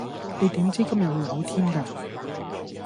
你點知今日會好天㗎